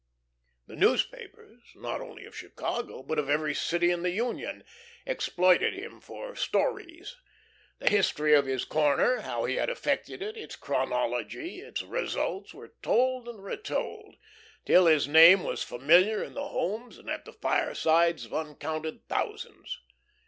The newspapers, not only of Chicago, but of every city in the Union, exploited him for "stories." The history of his corner, how he had effected it, its chronology, its results, were told and retold, till his name was familiar in the homes and at the firesides of uncounted thousands.